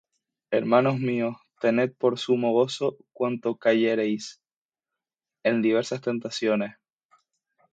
Hermanos míos, tened por sumo gozo cuando cayereis en diversas tentaciones;